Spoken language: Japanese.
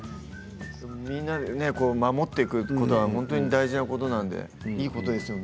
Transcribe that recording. みんなで守っていくことは大事なことなのでいいことですよね。